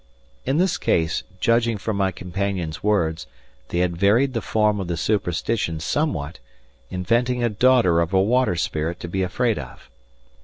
In this case, judging from my companion's words, they had varied the form of the superstition somewhat, inventing a daughter of a water spirit to be afraid of.